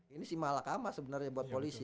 ini sih malak ama sebenarnya buat polisi